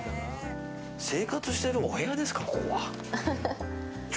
生活しているお部屋ですかここは。